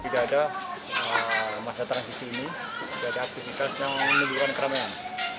tidak ada masa transisi ini tidak ada aktivitas yang menimbulkan keramaian